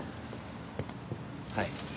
はい。